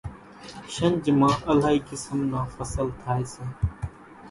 شنجھ مان الائِي قِسم نان ڦصل ٿائيَ سي۔